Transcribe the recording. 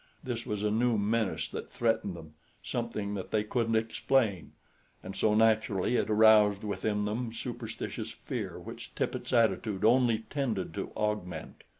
This was a new menace that threatened them, something that they couldn't explain; and so, naturally, it aroused within them superstitious fear which Tippet's attitude only tended to augment.